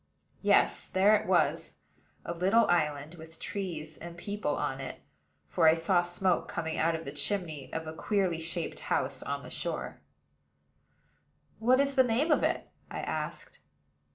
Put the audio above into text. Yes: there it was, a little island, with trees and people on it; for I saw smoke coming out of the chimney of a queerly shaped house on the shore. "What is the name of it?" I asked.